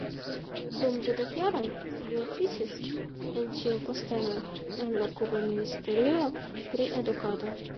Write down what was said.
Dum dudek jaroj, li oficis en tiu posteno en la Kuba Ministerio pri Edukado.